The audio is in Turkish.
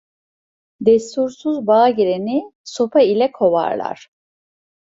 Destursuz bağa gireni sopa ile kovarlar.